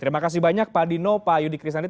terima kasih banyak pak dino pak yudi krisandi